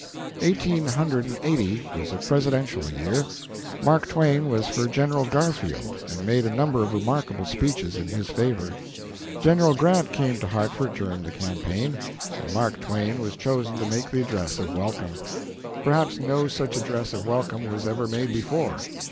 Eighteen hundred and eighty was a Presidential year. Mark Twain was for General Garfield, and made a number of remarkable speeches in his favor. General Grant came to Hartford during the campaign, and Mark Twain was chosen to make the address of welcome. Perhaps no such address of welcome was ever made before.